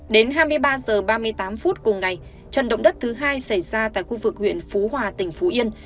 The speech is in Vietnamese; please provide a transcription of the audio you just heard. đến hai mươi ba h ba mươi tám phút cùng ngày trận động đất thứ hai xảy ra tại khu vực huyện phú hòa tỉnh phú yên